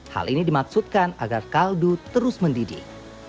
hal ini dimaksudkan agar kaldu terus mendidih